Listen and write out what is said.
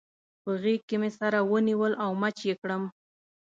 په غېږ کې مې سره ونیول او مچ يې کړم.